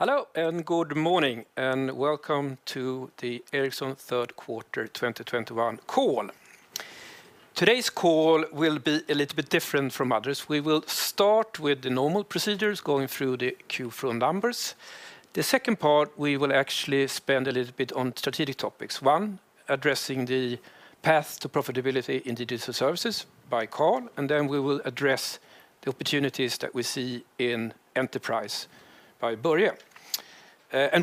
Hello, good morning. Welcome to the Ericsson Third Quarter 2021 Call. Today's call will be a little bit different from others. We will start with the normal procedures, going through the Q flow numbers. The second part, we will actually spend a little bit on strategic topics. One, addressing the path to profitability in Digital Services by Carl, then we will address the opportunities that we see in Enterprise by Börje.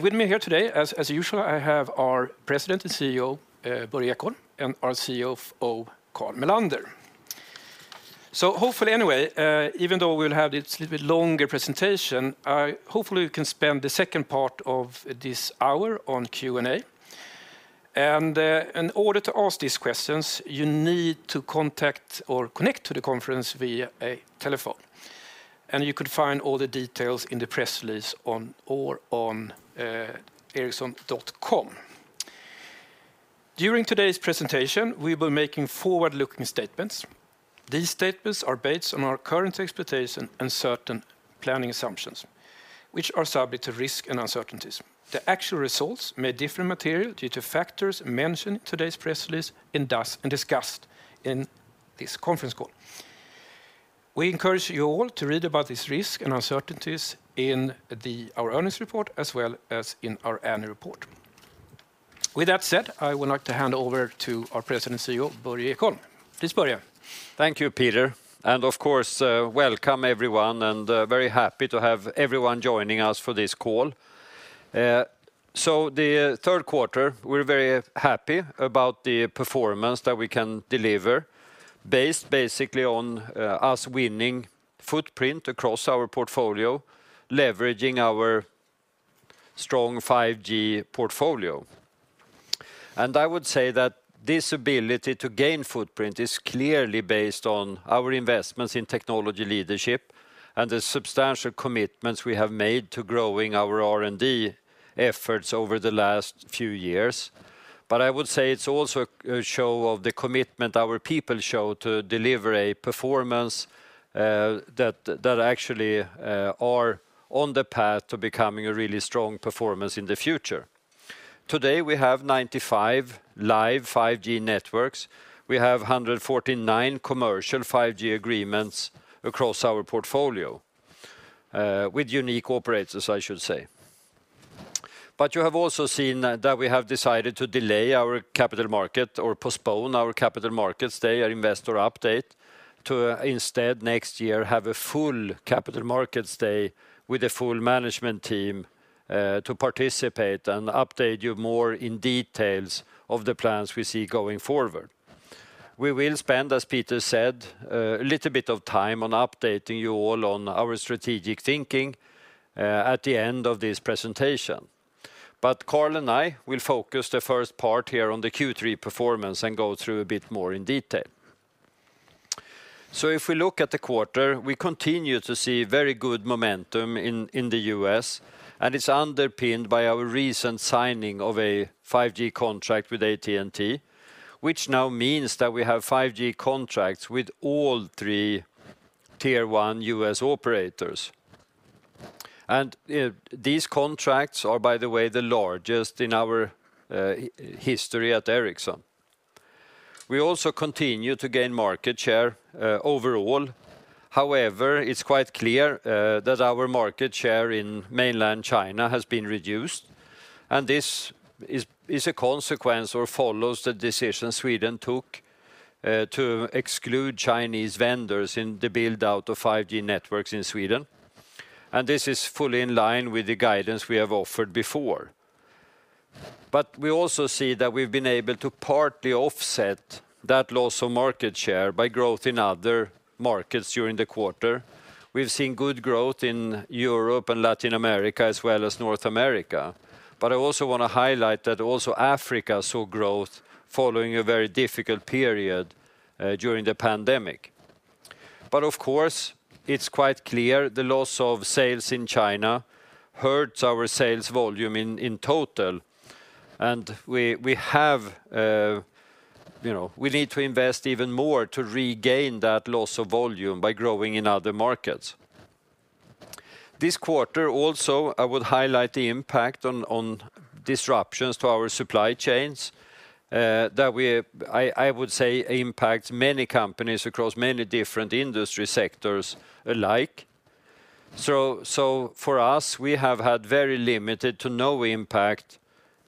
With me here today, as usual, I have our President and CEO, Börje Ekholm, and our CFO, Carl Mellander. Hopefully anyway, even though we'll have this little bit longer presentation, hopefully we can spend the second part of this hour on Q&A. In order to ask these questions, you need to contact or connect to the conference via a telephone, and you could find all the details in the press release or on ericsson.com. During today's presentation, we'll be making forward-looking statements. These statements are based on our current expectation and certain planning assumptions, which are subject to risk and uncertainties. The actual results may differ materially due to factors mentioned in today's press release and discussed in this conference call. We encourage you all to read about these risks and uncertainties in our earnings report as well as in our annual report. With that said, I would like to hand over to our President and CEO, Börje Ekholm. Please, Börje. Thank you, Peter, and of course, welcome everyone, and very happy to have everyone joining us for this call. The third quarter, we're very happy about the performance that we can deliver based basically on us winning footprint across our portfolio, leveraging our strong 5G portfolio. I would say that this ability to gain footprint is clearly based on our investments in technology leadership and the substantial commitments we have made to growing our R&D efforts over the last few years. I would say it's also a show of the commitment our people show to deliver a performance that actually are on the path to becoming a really strong performance in the future. Today, we have 95 live 5G networks. We have 149 commercial 5G agreements across our portfolio with unique operators, I should say. You have also seen that we have decided to delay our Capital Markets Day, our investor update, to instead next year have a full Capital Markets Day with a full management team to participate and update you more in detail of the plans we see going forward. We will spend, as Peter said, a little bit of time on updating you all on our strategic thinking at the end of this presentation. Carl and I will focus the first part here on the Q3 performance and go through a bit more in detail. If we look at the quarter, we continue to see very good momentum in the U.S., and it's underpinned by our recent signing of a 5G contract with AT&T, which now means that we have 5G contracts with all three tier one U.S. operators. These contracts are, by the way, the largest in our history at Ericsson. We also continue to gain market share overall. However, it's quite clear that our market share in mainland China has been reduced, and this is a consequence or follows the decision Sweden took to exclude Chinese vendors in the build-out of 5G networks in Sweden. This is fully in line with the guidance we have offered before. We also see that we've been able to partly offset that loss of market share by growth in other markets during the quarter. We've seen good growth in Europe and Latin America as well as North America. I also want to highlight that also Africa saw growth following a very difficult period during the pandemic. Of course, it's quite clear the loss of sales in China hurts our sales volume in total. We need to invest even more to regain that loss of volume by growing in other markets. This quarter also, I would highlight the impact on disruptions to our supply chains that I would say impacts many companies across many different industry sectors alike. For us, we have had very limited to no impact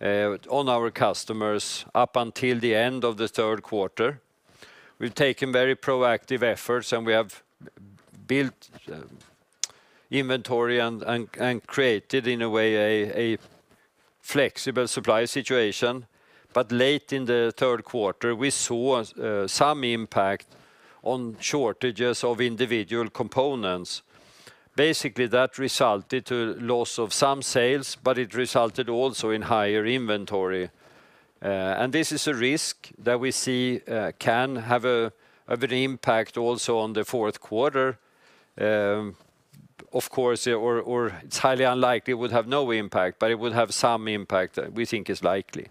on our customers up until the end of the third quarter. We've taken very proactive efforts, and we have built inventory and created, in a way, a flexible supply situation. Late in the third quarter, we saw some impact on shortages of individual components. Basically, that resulted to loss of some sales, but it resulted also in higher inventory. This is a risk that we see can have an impact also on the fourth quarter, of course, or it's highly unlikely it would have no impact, but it would have some impact that we think is likely.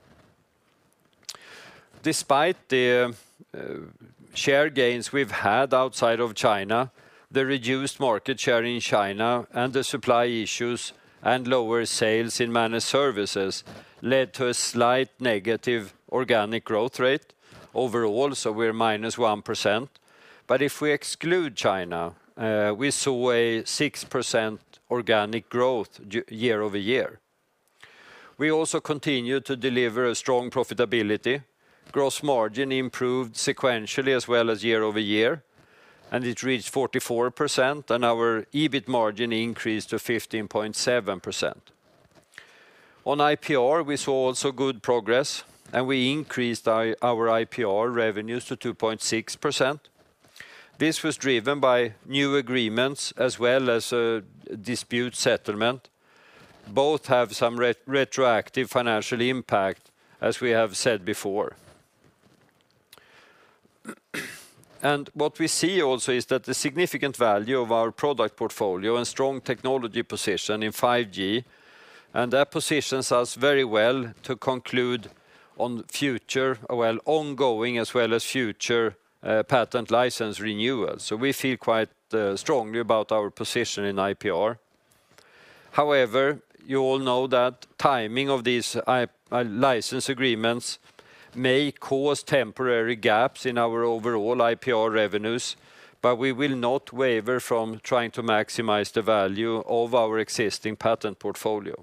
Despite the share gains we've had outside of China, the reduced market share in China and the supply issues and lower sales in Managed Services led to a slight negative organic growth rate overall, so we're -1%. If we exclude China, we saw a 6% organic growth year-over-year. We also continue to deliver a strong profitability. Gross margin improved sequentially as well as year-over-year, and it reached 44%, and our EBIT margin increased to 15.7%. On IPR, we saw also good progress, and we increased our IPR revenues to 2.6%. This was driven by new agreements as well as a dispute settlement. Both have some retroactive financial impact, as we have said before. What we see also is that the significant value of our product portfolio and strong technology position in 5G positions us very well to conclude on future. Well, ongoing as well as future patent license renewals. We feel quite strongly about our position in IPR. However, you all know that timing of these license agreements may cause temporary gaps in our overall IPR revenues, but we will not waver from trying to maximize the value of our existing patent portfolio.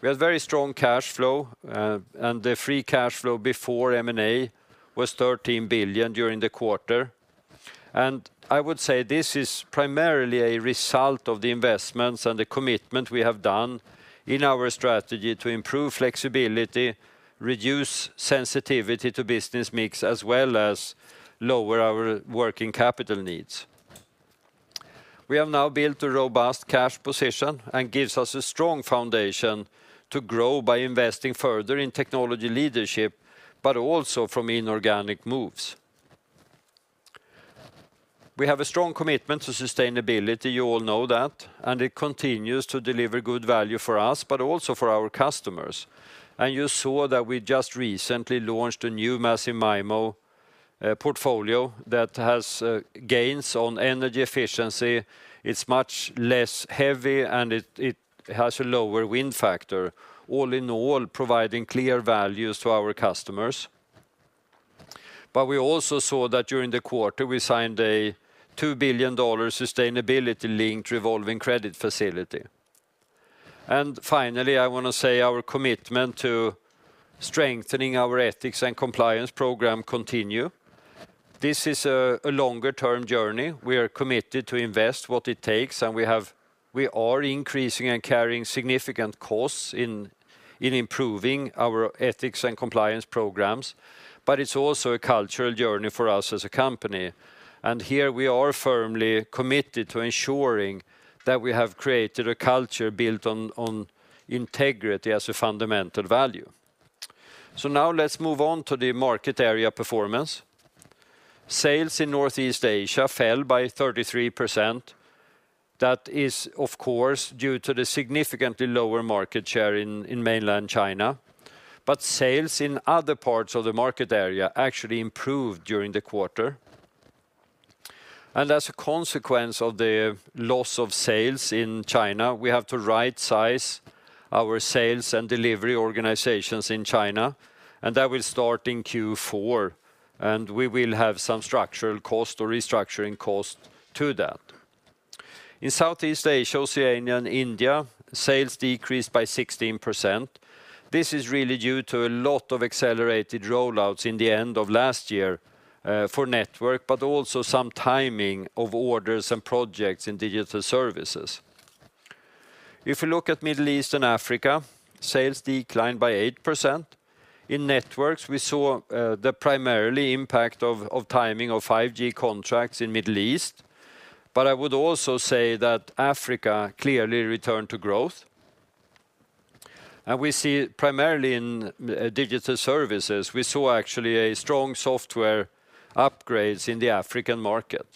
We have very strong cash flow, and the free cash flow before M&A was 13 billion during the quarter. I would say this is primarily a result of the investments and the commitment we have done in our strategy to improve flexibility, reduce sensitivity to business mix, as well as lower our working capital needs. We have now built a robust cash position and gives us a strong foundation to grow by investing further in technology leadership, but also from inorganic moves. We have a strong commitment to sustainability, you all know that, and it continues to deliver good value for us, but also for our customers. You saw that we just recently launched a new Massive MIMO portfolio that has gains on energy efficiency. It's much less heavy, and it has a lower wind factor. All in all, providing clear values to our customers. We also saw that during the quarter, we signed a SEK 2 billion sustainability-linked revolving credit facility. Finally, I want to say our commitment to strengthening our ethics and compliance program continue. This is a longer-term journey. We are committed to invest what it takes, and we are increasing and carrying significant costs in improving our ethics and compliance programs. It's also a cultural journey for us as a company. Here we are firmly committed to ensuring that we have created a culture built on integrity as a fundamental value. Now let's move on to the market area performance. Sales in Northeast Asia fell by 33%. That is, of course, due to the significantly lower market share in Mainland China. Sales in other parts of the market area actually improved during the quarter. As a consequence of the loss of sales in China, we have to right size our sales and delivery organizations in China, and that will start in Q4. We will have some structural cost or restructuring cost to that. In Southeast Asia, Oceania, and India, sales decreased by 16%. This is really due to a lot of accelerated rollouts in the end of last year for Networks, but also some timing of orders and projects in Digital Services. If you look at Middle East and Africa, sales declined by 8%. In Networks, we saw the primary impact of timing of 5G contracts in Middle East. I would also say that Africa clearly returned to growth. We see primarily in Digital Services, we saw actually a strong software upgrades in the African market.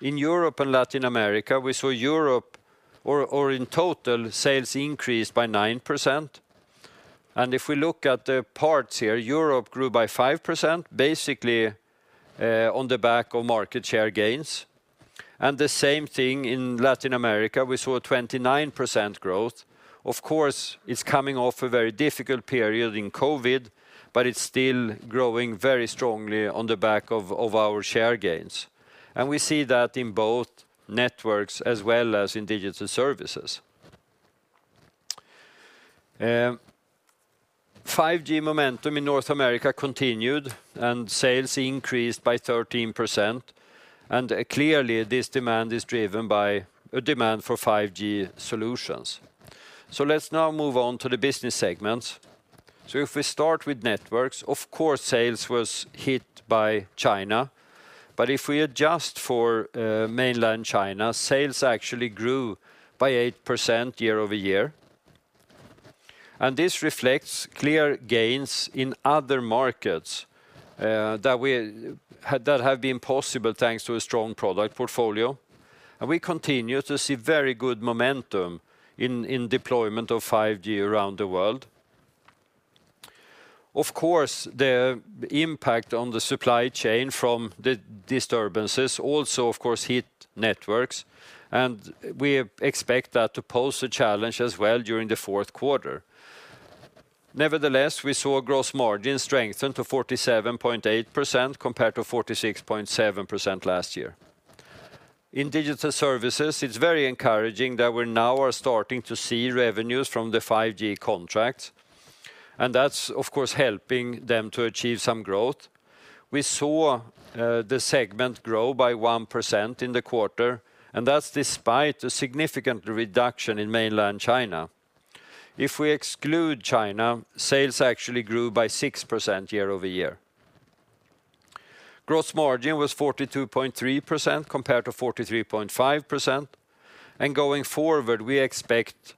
In Europe and Latin America, in total, sales increased by 9%. If we look at the parts here, Europe grew by 5%, basically on the back of market share gains. The same thing in Latin America, we saw a 29% growth. Of course, it's coming off a very difficult period in COVID, but it's still growing very strongly on the back of our share gains. We see that in both Networks as well as in Digital Services. 5G momentum in North America continued, and sales increased by 13%. Clearly, this demand is driven by a demand for 5G solutions. Let's now move on to the business segments. If we start with Networks, of course, sales was hit by China. If we adjust for mainland China, sales actually grew by 8% year-over-year. This reflects clear gains in other markets that have been possible thanks to a strong product portfolio. We continue to see very good momentum in deployment of 5G around the world. Of course, the impact on the supply chain from the disturbances also, of course, hit networks, and we expect that to pose a challenge as well during the fourth quarter. Nevertheless, we saw gross margin strengthen to 47.8% compared to 46.7% last year. In Digital Services, it's very encouraging that we now are starting to see revenues from the 5G contracts, and that's, of course, helping them to achieve some growth. We saw the segment grow by 1% in the quarter, and that's despite a significant reduction in mainland China. If we exclude China, sales actually grew by 6% year-over-year. Gross margin was 42.3% compared to 43.5%, and going forward, we expect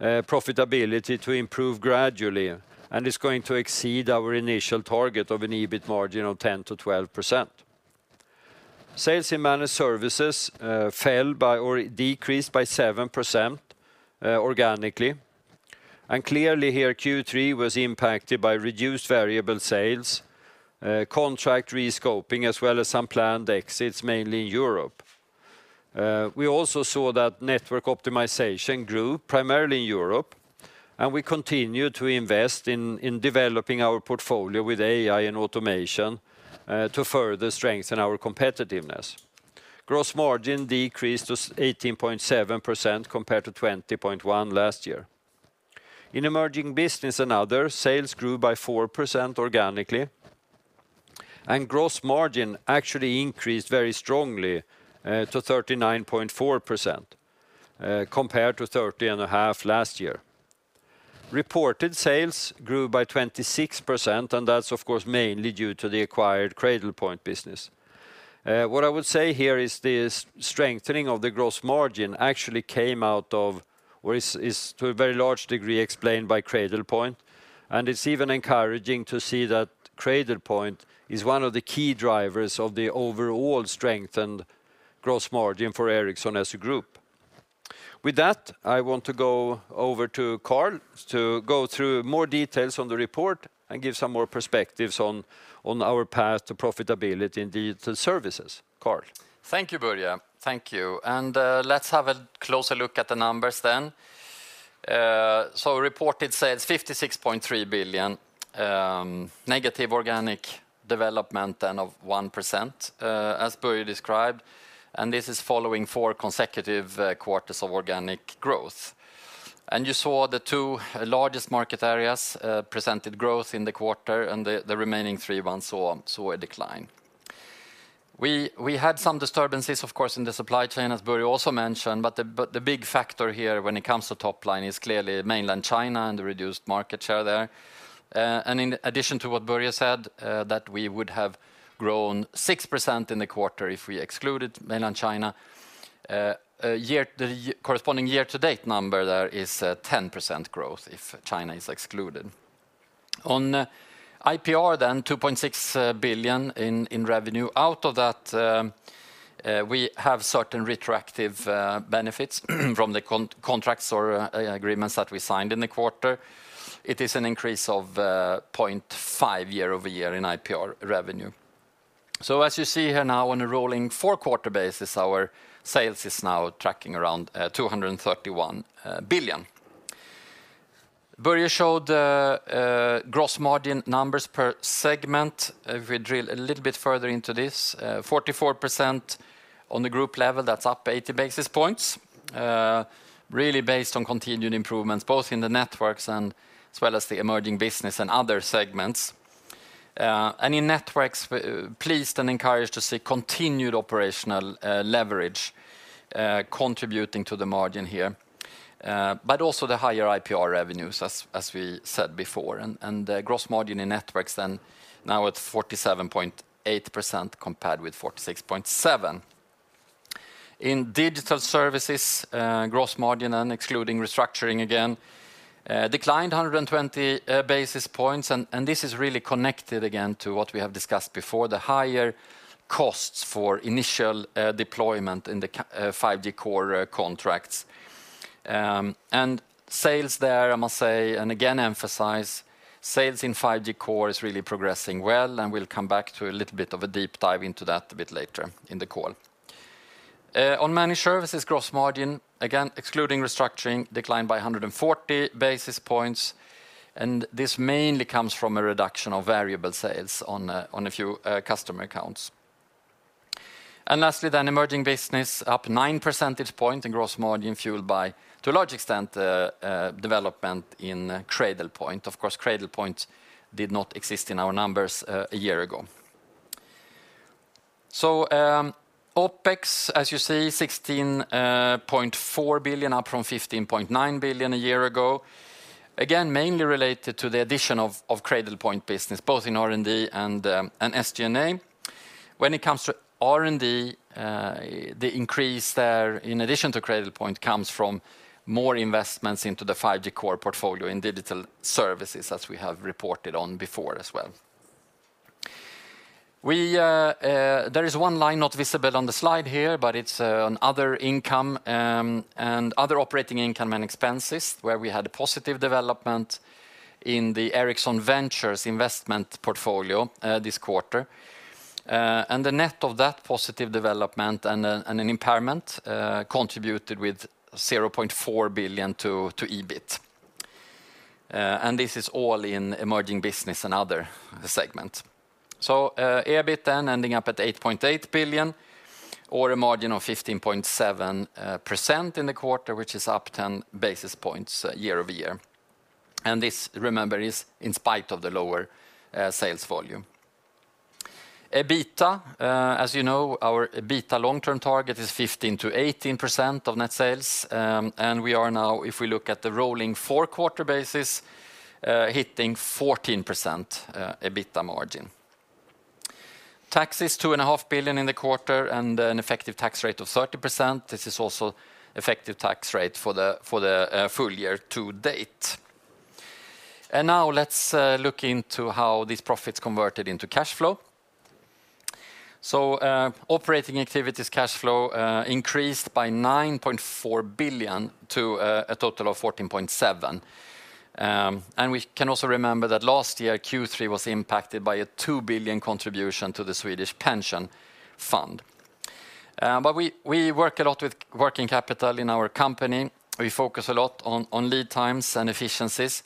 profitability to improve gradually, and it's going to exceed our initial target of an EBIT margin of 10%-12%. Sales in Managed Services decreased by 7% organically. Clearly here, Q3 was impacted by reduced variable sales, contract rescoping, as well as some planned exits, mainly in Europe. We also saw that network optimization grew primarily in Europe, we continue to invest in developing our portfolio with AI and automation to further strengthen our competitiveness. Gross margin decreased to 18.7% compared to 20.1% last year. In Emerging Business and Other, sales grew by 4% organically, gross margin actually increased very strongly to 39.4% compared to 30.5% last year. Reported sales grew by 26%, that's, of course, mainly due to the acquired Cradlepoint business. What I would say here is this strengthening of the gross margin actually came out of, or is to a very large degree explained by Cradlepoint, it's even encouraging to see that Cradlepoint is one of the key drivers of the overall strengthened gross margin for Ericsson as a group. With that, I want to go over to Carl to go through more details on the report and give some more perspectives on our path to profitability in Digital Services. Carl? Thank you, Börje. Thank you. Let's have a closer look at the numbers then. Reported sales 56.3 billion, negative organic development then of 1%, as Börje described, and this is following four consecutive quarters of organic growth. You saw the two largest market areas presented growth in the quarter and the remaining three ones saw a decline. We had some disturbances, of course, in the supply chain, as Börje also mentioned, but the big factor here when it comes to top line is clearly mainland China and the reduced market share there. In addition to what Börje said, that we would have grown 6% in the quarter if we excluded mainland China. The corresponding year-to-date number there is 10% growth if China is excluded. On IPR then, 2.6 billion in revenue. Out of that, we have certain retroactive benefits from the contracts or agreements that we signed in the quarter. It is an increase of 0.5% year-over-year in IPR revenue. On a rolling four-quarter basis, our sales is now tracking around 231 billion. Börje showed gross margin numbers per segment. If we drill a little bit further into this, 44% on the group level, that's up 80 basis points, really based on continued improvements both in the Networks and as well as the Emerging Business and Other segments. In Networks, pleased and encouraged to see continued operational leverage contributing to the margin here, but also the higher IPR revenues, as we said before, and the gross margin in Networks then now at 47.8% compared with 46.7%. In digital services, gross margin, excluding restructuring again, declined 120 basis points, and this is really connected again to what we have discussed before, the higher costs for initial deployment in the 5G Core contracts. Sales there, I must say and again emphasize, sales in 5G Core is really progressing well, and we'll come back to a little bit of a deep dive into that a bit later in the call. On Managed Services gross margin, again, excluding restructuring, declined by 140 basis points, and this mainly comes from a reduction of variable sales on a few customer accounts. Lastly, Emerging Business up 9 percentage points in gross margin fueled by, to a large extent, development in Cradlepoint. Of course, Cradlepoint did not exist in our numbers a year ago. OPEX, as you see, 16.4 billion, up from 15.9 billion a year ago. Again, mainly related to the addition of Cradlepoint business, both in R&D and SG&A. When it comes to R&D, the increase there, in addition to Cradlepoint, comes from more investments into the 5G Core portfolio in digital services, as we have reported on before as well. There is one line not visible on the slide here, but it's on other income and other operating income and expenses, where we had a positive development in the Ericsson Ventures investment portfolio this quarter. The net of that positive development and an impairment contributed with 0.4 billion to EBIT. This is all in Emerging Business and Other segments. EBIT then ending up at 8.8 billion or a margin of 15.7% in the quarter, which is up 10 basis points year-over-year. This, remember, is in spite of the lower sales volume. EBITDA, as you know, our EBITDA long-term target is 15%-18% of net sales. We are now, if we look at the rolling four-quarter basis, hitting 14% EBITDA margin. Tax is 2.5 billion in the quarter and an effective tax rate of 30%. This is also effective tax rate for the full year-to-date. Now let's look into how these profits converted into cash flow. Operating activities cash flow increased by 9.4 billion to a total of 14.7 billion. We can also remember that last year, Q3 was impacted by a 2 billion contribution to the Swedish pension fund. We work a lot with working capital in our company. We focus a lot on lead times and efficiencies.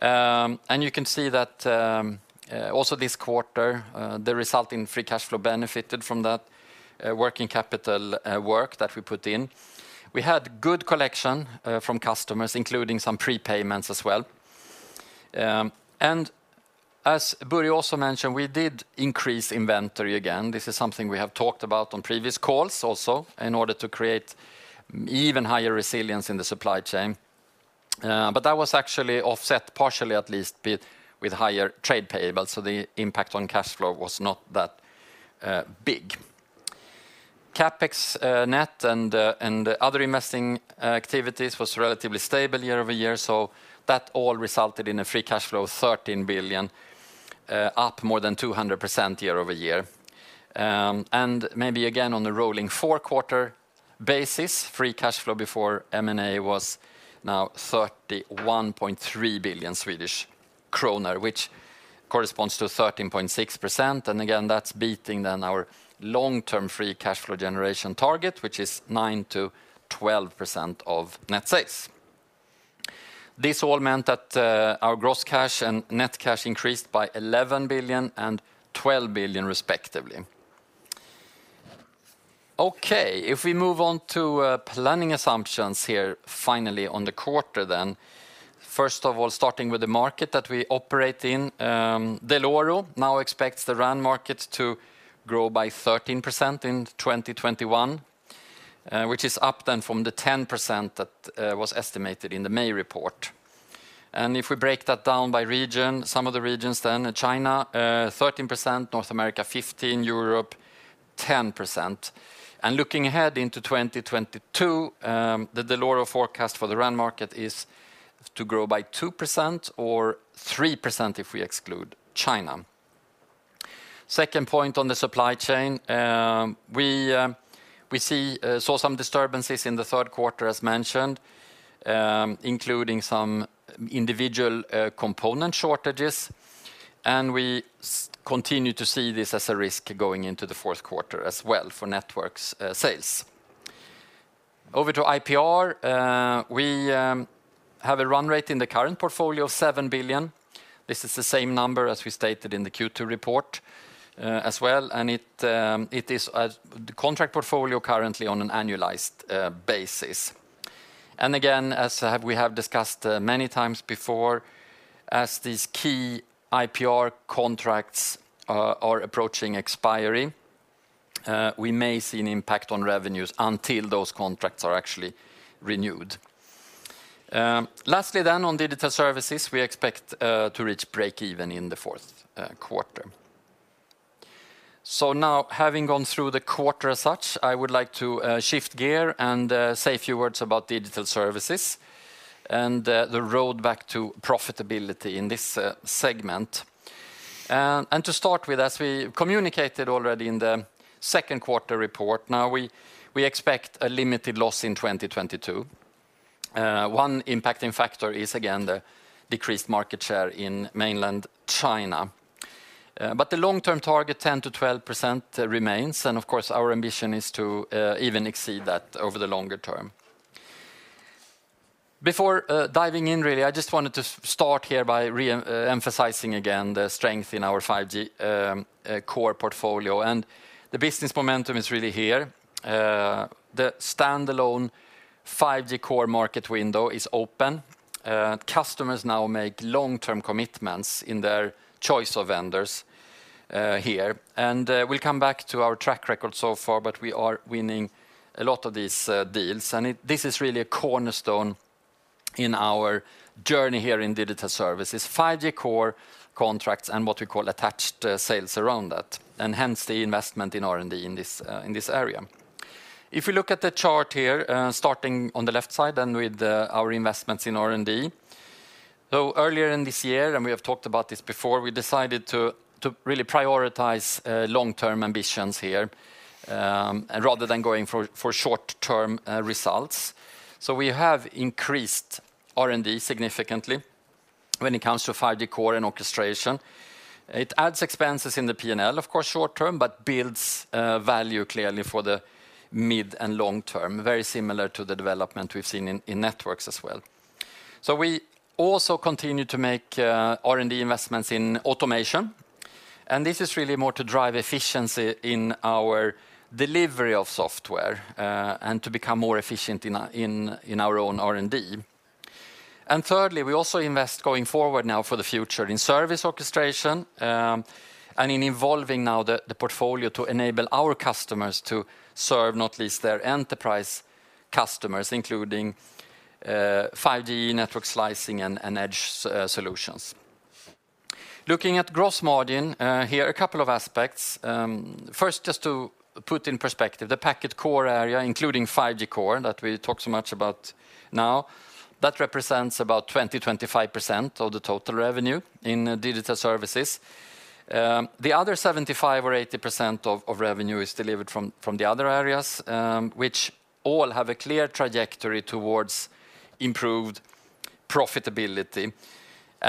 You can see that also this quarter, the resulting free cash flow benefited from that working capital work that we put in. We had good collection from customers, including some prepayments as well. As Börje also mentioned, we did increase inventory again. This is something we have talked about on previous calls also, in order to create even higher resilience in the supply chain. That was actually offset, partially at least, with higher trade payables. The impact on cash flow was not that big. CapEx net and other investing activities was relatively stable year-over-year. That all resulted in a free cash flow of 13 billion, up more than 200% year-over-year. Maybe again, on the rolling four-quarter basis, free cash flow before M&A was now 31.3 billion Swedish kronor, which corresponds to 13.6%. Again, that's beating then our long-term free cash flow generation target, which is 9%-12% of net sales. This all meant that our gross cash and net cash increased by 11 billion and 12 billion respectively. If we move on to planning assumptions here finally on the quarter then. First of all, starting with the market that we operate in. Dell'Oro now expects the RAN market to grow by 13% in 2021, which is up then from the 10% that was estimated in the May report. If we break that down by region, some of the regions then, China 13%, North America 15%, Europe 10%. Looking ahead into 2022, the Dell'Oro forecast for the RAN market is to grow by 2%, or 3% if we exclude China. Second point on the supply chain. We saw some disturbances in the third quarter as mentioned, including some individual component shortages. We continue to see this as a risk going into the fourth quarter as well for Networks sales. Over to IPR, we have a run rate in the current portfolio of 7 billion. This is the same number as we stated in the Q2 report as well. It is the contract portfolio currently on an annualized basis. Again, as we have discussed many times before, as these key IPR contracts are approaching expiry, we may see an impact on revenues until those contracts are actually renewed. Lastly then on Digital Services, we expect to reach break even in the fourth quarter. Now having gone through the quarter as such, I would like to shift gear and say a few words about Digital Services and the road back to profitability in this segment. To start with, as we communicated already in the second quarter report, now we expect a limited loss in 2022. One impacting factor is again the decreased market share in mainland China. The long-term target, 10%-12%, remains. Of course, our ambition is to even exceed that over the longer term. Before diving in really, I just wanted to start here by re-emphasizing again the strength in our 5G Core portfolio. The business momentum is really here. The standalone 5G Core market window is open. Customers now make long-term commitments in their choice of vendors here. We'll come back to our track record so far, but we are winning a lot of these deals. This is really a cornerstone in our journey here in digital services, 5G Core contracts and what we call attached sales around that, and hence the investment in R&D in this area. If we look at the chart here, starting on the left side and with our investments in R&D. Earlier in this year, and we have talked about this before, we decided to really prioritize long-term ambitions here rather than going for short-term results. We have increased R&D significantly when it comes to 5G Core and orchestration. It adds expenses in the P&L, of course, short-term, but builds value clearly for the mid and long term, very similar to the development we've seen in networks as well. We also continue to make R&D investments in automation, and this is really more to drive efficiency in our delivery of software and to become more efficient in our own R&D. Thirdly, we also invest going forward now for the future in service orchestration, and in evolving now the portfolio to enable our customers to serve not least their enterprise customers, including 5G network slicing and edge solutions. Looking at gross margin, here a couple of aspects. First, just to put in perspective, the packet Core area, including 5G Core that we talk so much about now, that represents about 20%-25% of the total revenue in digital services. The other 75% or 80% of revenue is delivered from the other areas, which all have a clear trajectory towards improved profitability.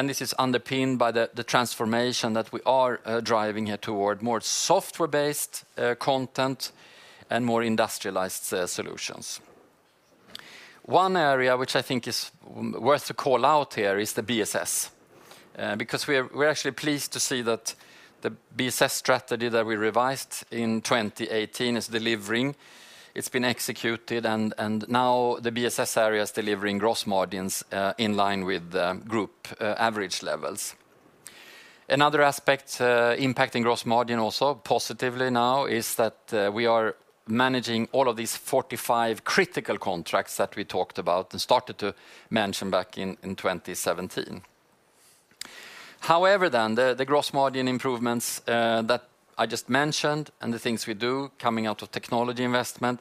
This is underpinned by the transformation that we are driving here toward more software-based content and more industrialized solutions. One area which I think is worth to call out here is the BSS. We're actually pleased to see that the BSS strategy that we revised in 2018 is delivering. It's been executed, and now the BSS area is delivering gross margins in line with the group average levels. Another aspect impacting gross margin also positively now is that we are managing all of these 45 critical contracts that we talked about and started to mention back in 2017. The gross margin improvements that I just mentioned and the things we do coming out of technology investment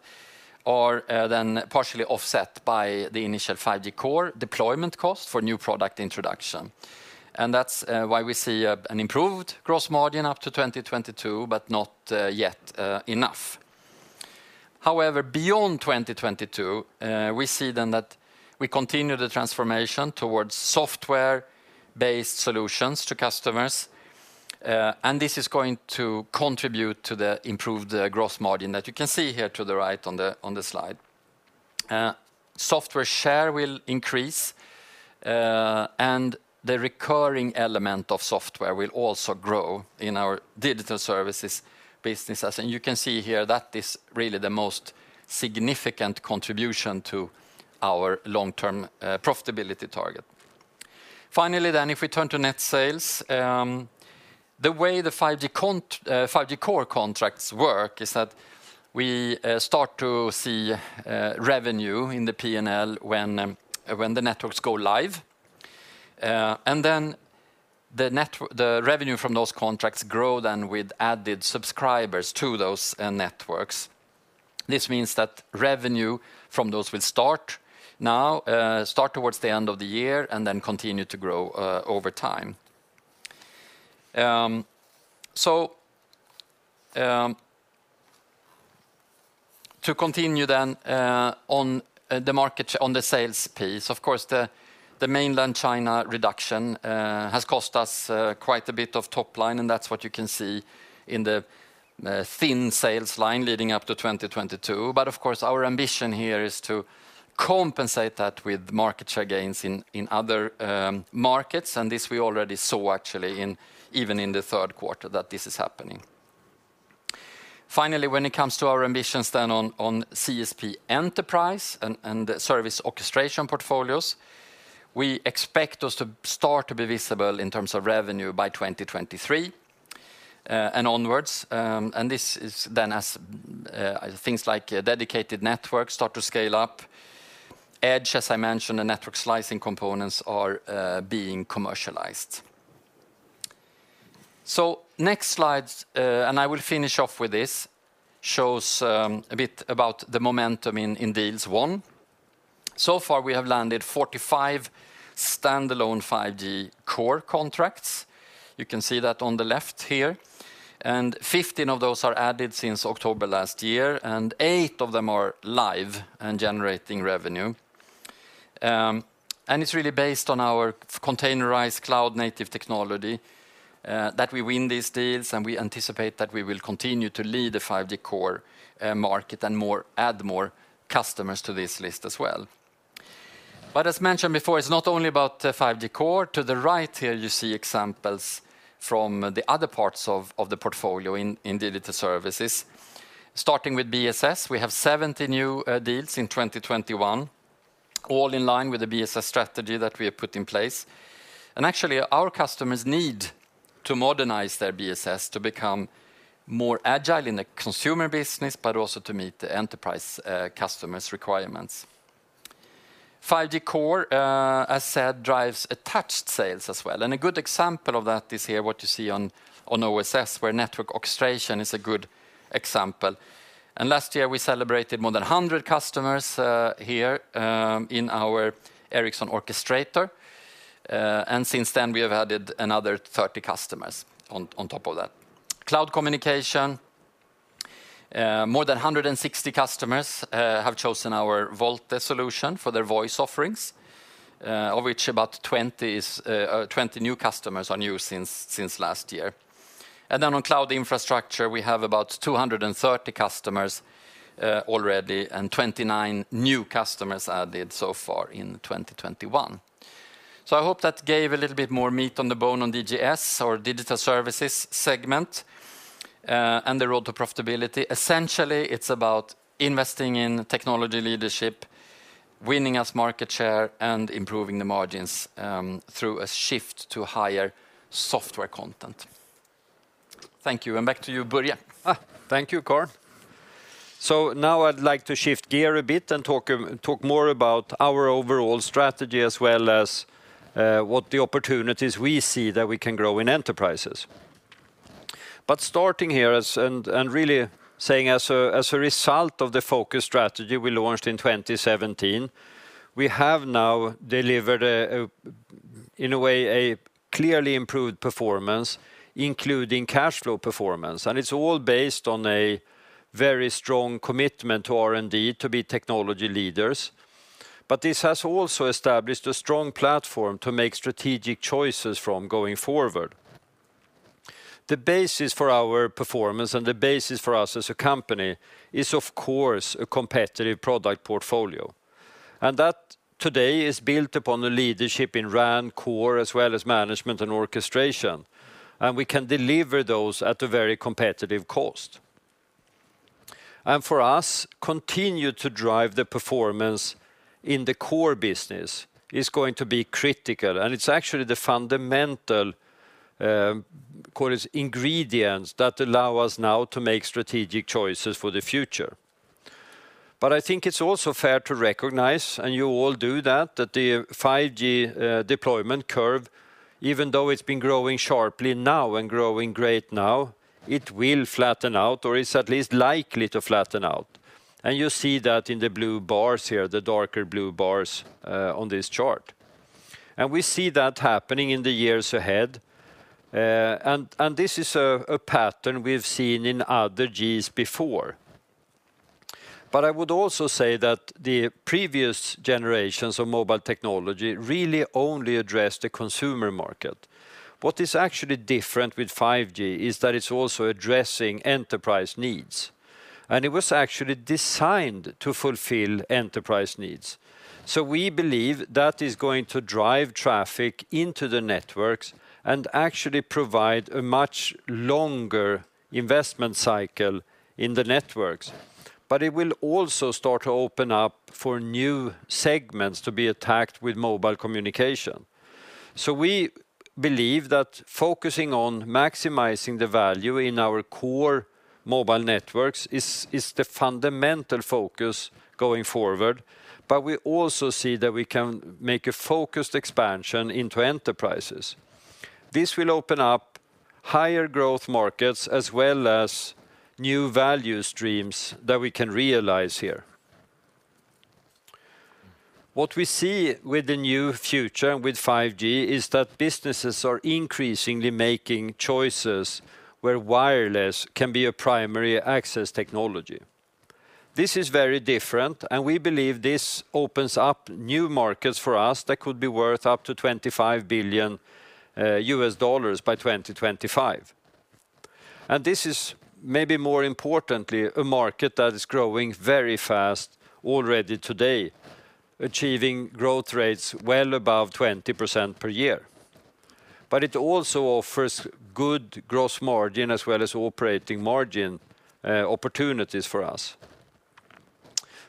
are then partially offset by the initial 5G Core deployment cost for new product introduction. That's why we see an improved gross margin up to 2022, but not yet enough. However, beyond 2022, we see then that we continue the transformation towards software-based solutions to customers. This is going to contribute to the improved gross margin that you can see here to the right on the slide. Software share will increase, and the recurring element of software will also grow in our digital services businesses. You can see here that is really the most significant contribution to our long-term profitability target. Finally, if we turn to net sales, the way the 5G Core contracts work is that we start to see revenue in the P&L when the networks go live. Then the revenue from those contracts grow then with added subscribers to those networks. This means that revenue from those will start now, start towards the end of the year, and then continue to grow over time. To continue then on the sales piece, of course, the mainland China reduction has cost us quite a bit of top line, and that's what you can see in the thin sales line leading up to 2022. Of course, our ambition here is to compensate that with market share gains in other markets, and this we already saw actually even in the third quarter that this is happening. Finally, when it comes to our ambitions then on CSP enterprise and service orchestration portfolios, we expect those to start to be visible in terms of revenue by 2023 and onwards. This is then as things like dedicated networks start to scale up. Edge, as I mentioned, and network slicing components are being commercialized. Next slides, and I will finish off with this, shows a bit about the momentum in deals won. So far, we have landed 45 standalone 5G Core contracts. You can see that on the left here. 15 of those are added since October last year, and eight of them are live and generating revenue. It's really based on our containerized cloud-native technology that we win these deals, and we anticipate that we will continue to lead the 5G Core market and add more customers to this list as well. As mentioned before, it's not only about 5G Core. To the right here, you see examples from the other parts of the portfolio in Digital Services. Starting with BSS, we have 70 new deals in 2021, all in line with the BSS strategy that we have put in place. Actually, our customers need to modernize their BSS to become more agile in the consumer business, but also to meet the enterprise customers' requirements. 5G Core, as said, drives attached sales as well. A good example of that is here what you see on OSS, where network orchestration is a good example. Last year we celebrated more than 100 customers here in our Ericsson Orchestrator. Since then we have added another 30 customers on top of that. Cloud communication. More than 160 customers have chosen our VoLTE solution for their voice offerings, of which about 20 new customers are new since last year. Then on cloud infrastructure, we have about 230 customers already and 29 new customers added so far in 2021. I hope that gave a little bit more meat on the bone on DGS, our digital services segment, and the road to profitability. Essentially, it's about investing in technology leadership, winning us market share, and improving the margins through a shift to higher software content. Thank you, and back to you, Börje. Thank you, Carl. Now I'd like to shift gear a bit and talk more about our overall strategy as well as what the opportunities we see that we can grow in enterprises. Starting here and really saying as a result of the focus strategy we launched in 2017, we have now delivered, in a way, a clearly improved performance, including cash flow performance. It's all based on a very strong commitment to R&D to be technology leaders. This has also established a strong platform to make strategic choices from going forward. The basis for our performance and the basis for us as a company is, of course, a competitive product portfolio. That today is built upon the leadership in RAN core as well as management and orchestration. We can deliver those at a very competitive cost. For us, continue to drive the performance in the core business is going to be critical, and it's actually the fundamental ingredients that allow us now to make strategic choices for the future. I think it's also fair to recognize, and you all do that the 5G deployment curve, even though it's been growing sharply now and growing great now, it will flatten out, or is at least likely to flatten out. You see that in the blue bars here, the darker blue bars on this chart. We see that happening in the years ahead. This is a pattern we've seen in other Gs before. I would also say that the previous generations of mobile technology really only addressed the consumer market. What is actually different with 5G is that it's also addressing enterprise needs. It was actually designed to fulfill enterprise needs. We believe that is going to drive traffic into the networks and actually provide a much longer investment cycle in the networks. It will also start to open up for new segments to be attacked with mobile communication. We believe that focusing on maximizing the value in our core mobile networks is the fundamental focus going forward. We also see that we can make a focused expansion into enterprises. This will open up higher growth markets as well as new value streams that we can realize here. What we see with the new future with 5G is that businesses are increasingly making choices where wireless can be a primary access technology. This is very different, and we believe this opens up new markets for us that could be worth up to SEK 25 billion by 2025. This is maybe more importantly, a market that is growing very fast already today, achieving growth rates well above 20% per year. It also offers good gross margin as well as operating margin opportunities for us.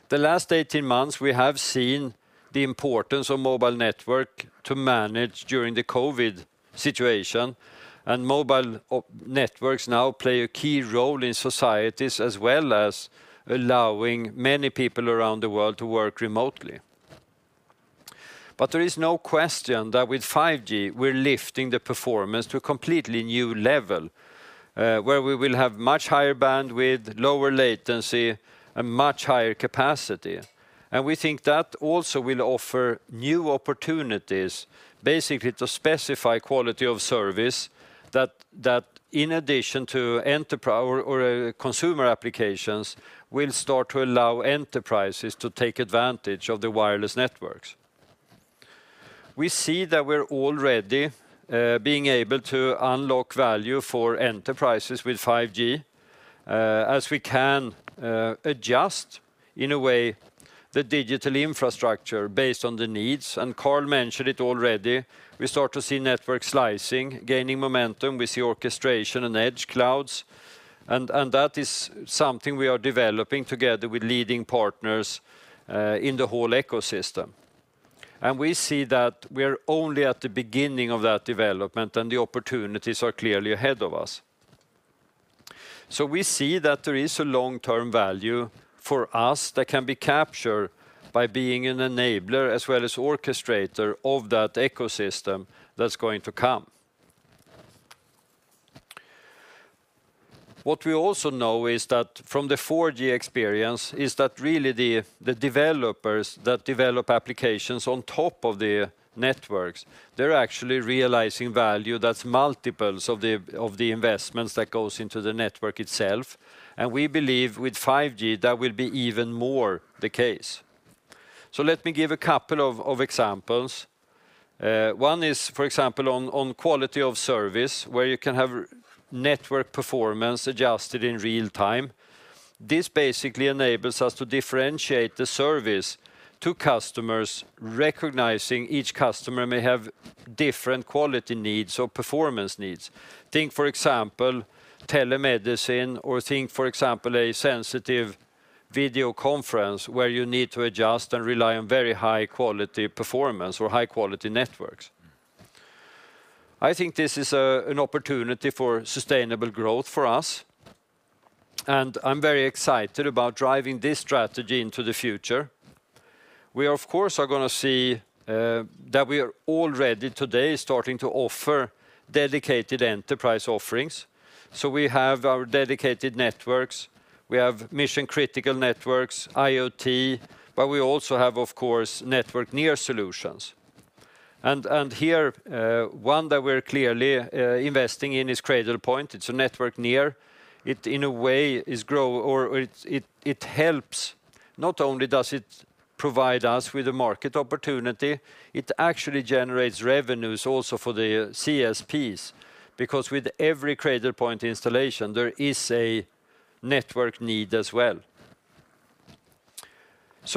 The last 18 months, we have seen the importance of mobile network to manage during the COVID situation, and mobile networks now play a key role in societies as well as allowing many people around the world to work remotely. There is no question that with 5G, we're lifting the performance to a completely new level, where we will have much higher bandwidth, lower latency, and much higher capacity. We think that also will offer new opportunities, basically to specify quality of service that in addition to consumer applications, will start to allow enterprises to take advantage of the wireless networks. We see that we're already being able to unlock value for enterprises with 5G, as we can adjust in a way the digital infrastructure based on the needs. Carl mentioned it already, we start to see network slicing, gaining momentum. We see orchestration and edge clouds, that is something we are developing together with leading partners in the whole ecosystem. We see that we are only at the beginning of that development and the opportunities are clearly ahead of us. We see that there is a long-term value for us that can be captured by being an enabler as well as orchestrator of that ecosystem that's going to come. What we also know is that from the 4G experience is that really the developers that develop applications on top of the networks, they're actually realizing value that's multiples of the investments that goes into the network itself. We believe with 5G, that will be even more the case. Let me give a couple of examples. One is, for example, on quality of service, where you can have network performance adjusted in real time. This basically enables us to differentiate the service to customers, recognizing each customer may have different quality needs or performance needs. Think, for example, telemedicine, or think, for example, a sensitive video conference where you need to adjust and rely on very high-quality performance or high-quality networks. I think this is an opportunity for sustainable growth for us, and I'm very excited about driving this strategy into the future. We, of course, are going to see that we are already today starting to offer dedicated enterprise offerings. We have our dedicated networks, we have mission-critical networks, IoT, but we also have, of course, network near solutions. Here, one that we're clearly investing in is Cradlepoint. It's a network need. Not only does it provide us with a market opportunity, it actually generates revenues also for the CSPs, because with every Cradlepoint installation, there is a network need as well.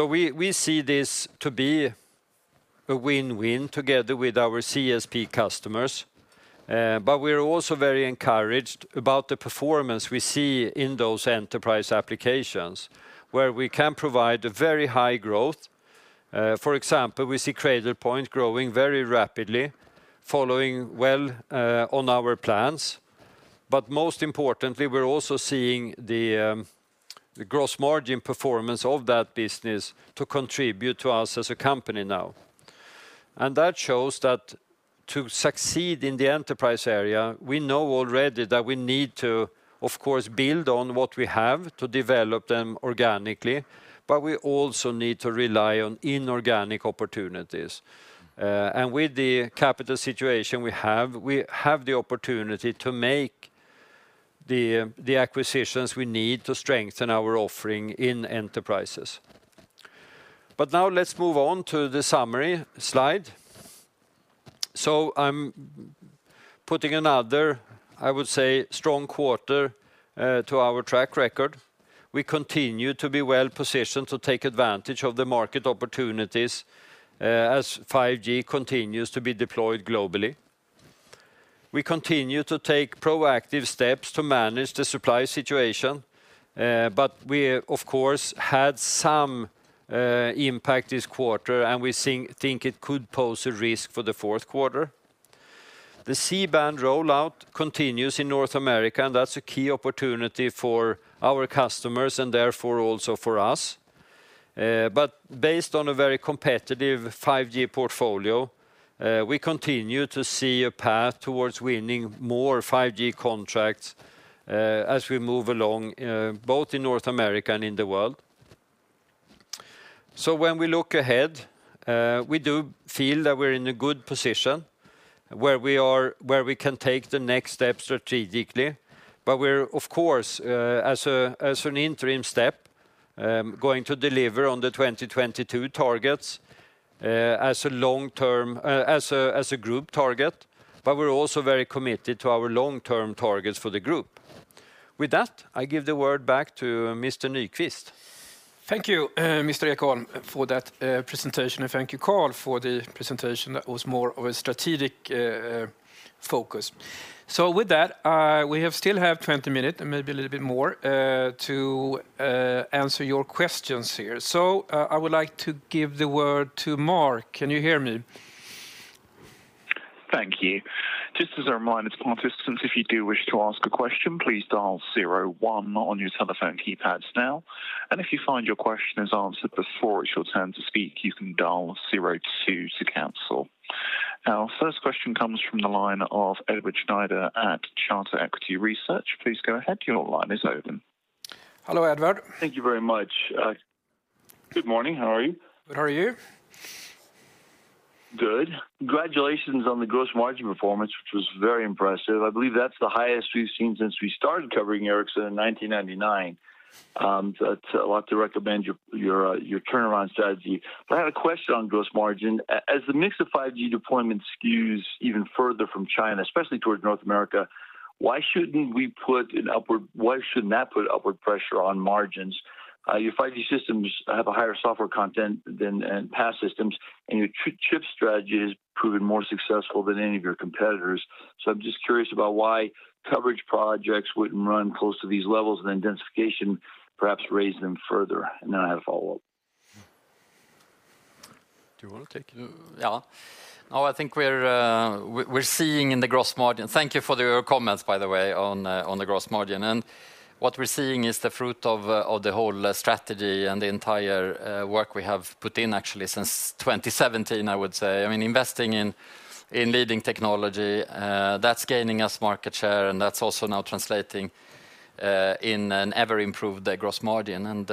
We see this to be a win-win together with our CSP customers. We're also very encouraged about the performance we see in those enterprise applications, where we can provide a very high growth. For example, we see Cradlepoint growing very rapidly, following well on our plans. Most importantly, we're also seeing the gross margin performance of that business to contribute to us as a company now. That shows that to succeed in the enterprise area, we know already that we need to, of course, build on what we have to develop them organically, but we also need to rely on inorganic opportunities. With the capital situation we have, we have the opportunity to make the acquisitions we need to strengthen our offering in enterprises. Now let's move on to the summary slide. I'm putting another, I would say, strong quarter to our track record. We continue to be well-positioned to take advantage of the market opportunities as 5G continues to be deployed globally. We continue to take proactive steps to manage the supply situation, but we, of course, had some impact this quarter, and we think it could pose a risk for the fourth quarter. The C-band rollout continues in North America, and that's a key opportunity for our customers and therefore also for us. Based on a very competitive 5G portfolio, we continue to see a path towards winning more 5G contracts as we move along, both in North America and in the world. When we look ahead, we do feel that we're in a good position where we can take the next step strategically. We're, of course, as an interim step, going to deliver on the 2022 targets as a group target, but we're also very committed to our long-term targets for the group. With that, I give the word back to Mr. Nyquist. Thank you, Mr. Ekholm, for that presentation, and thank you, Carl, for the presentation that was more of a strategic focus. With that, we still have 20 minutes and maybe a little bit more to answer your questions here. I would like to give the word to Mark. Can you hear me? Thank you. Just as a reminder to participants, if you do wish to ask a question, please dial zero one on your telephone keypads now. If you find your question is answered before it's your turn to speak, you can dial zero two to cancel. Our first question comes from the line of Edward Snyder at Charter Equity Research. Please go ahead. Your line is open. Hello, Edward. Thank you very much. Good morning. How are you? Good. How are you? Good. Congratulations on the gross margin performance, which was very impressive. I believe that's the highest we've seen since we started covering Ericsson in 1999. That's a lot to recommend your turnaround strategy. I had a question on gross margin. As the mix of 5G deployment skews even further from China, especially towards North America, why shouldn't that put upward pressure on margins? Your 5G systems have a higher software content than past systems, your chip strategy has proven more successful than any of your competitors. I'm just curious about why coverage projects wouldn't run close to these levels, and then densification perhaps raise them further. I have a follow-up. Do you want to take it? Yeah. Thank you for your comments, by the way, on the gross margin. What we're seeing is the fruit of the whole strategy and the entire work we have put in actually since 2017, I would say. Investing in leading technology, that's gaining us market share, that's also now translating in an ever-improved gross margin.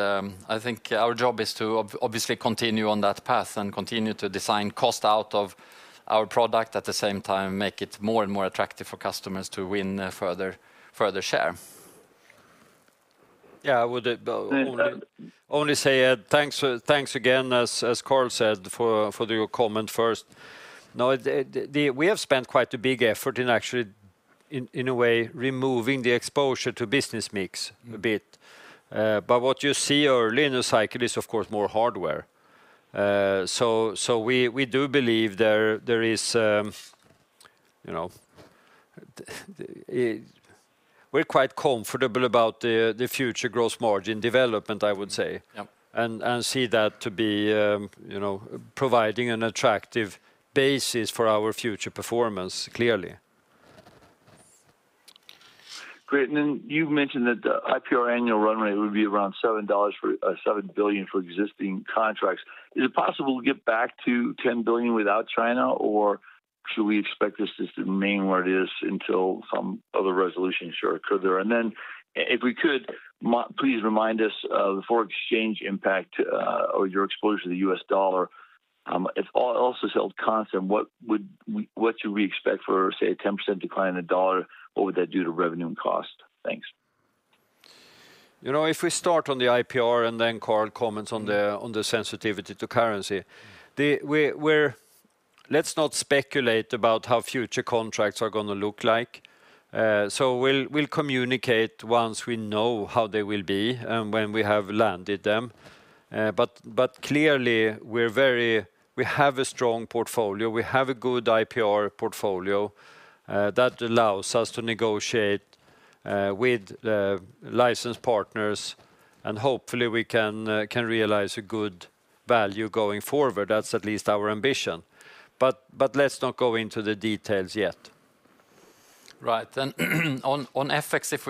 I think our job is to obviously continue on that path and continue to design cost out of our product. At the same time, make it more and more attractive for customers to win further share. I would only say thanks again, as Carl said, for your comment first. We have spent quite a big effort in actually, in a way, removing the exposure to business mix a bit. What you see early in the cycle is, of course, more hardware. We're quite comfortable about the future gross margin development, I would say. Yep. See that to be providing an attractive basis for our future performance, clearly. Great. You mentioned that the IPR annual run rate would be around $7 billion for existing contracts. Is it possible to get back to $10 billion without China, or should we expect this just to remain where it is until some other resolution occurs there? If we could, please remind us of the foreign exchange impact, or your exposure to the US dollar. If all else is held constant, what should we expect for, say, a 10% decline in the dollar? What would that do to revenue and cost? Thanks. If we start on the IPR, and then Carl comments on the sensitivity to currency. Let's not speculate about how future contracts are going to look like. We'll communicate once we know how they will be and when we have landed them. Clearly, we have a strong portfolio. We have a good IPR portfolio that allows us to negotiate with license partners, and hopefully, we can realize a good value going forward. That's at least our ambition. Let's not go into the details yet. Right. On FX, at